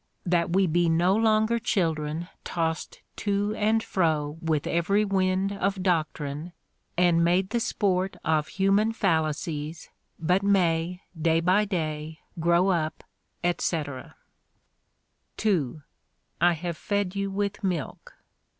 That we he no longer children tossed to and fro with every wind of doctrine, and made the spor t^ of human fallacies, but may day by day grow up, &c. 2. / have fed you with milk.